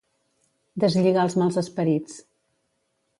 Deslligar els mals esperits.